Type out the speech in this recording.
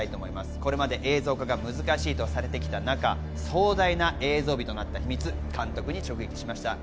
これまで映像化が難しいとされてきた中、壮大な映像美となった秘密、監督に直撃しました。